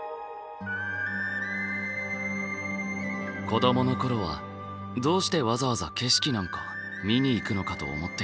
子どもの頃はどうしてわざわざ景色なんか見に行くのかと思っていた。